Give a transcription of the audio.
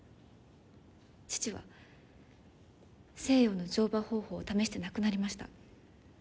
父は西洋の乗馬方法を試して亡くなりました。